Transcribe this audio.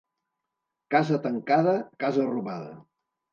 Casa tancada, casa robada.